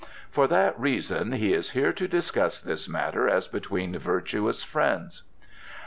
For that reason he is here to discuss this matter as between virtuous friends."